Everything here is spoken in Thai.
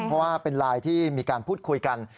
เพราะว่าเป็นไลน์ที่มีการพูดคุยกัน